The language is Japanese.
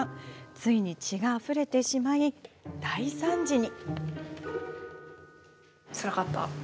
ついに血があふれてしまい大惨事に。